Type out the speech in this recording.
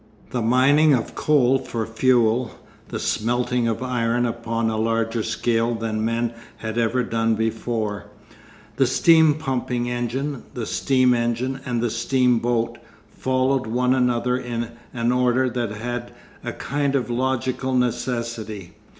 The mining of coal for fuel, the smelting of iron upon a larger scale than men had ever done before, the steam pumping engine, the steam engine and the steam boat, followed one another in an order that had a kind of logical necessity.